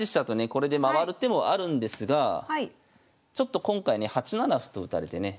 これで回る手もあるんですがちょっと今回ね８七歩と打たれてね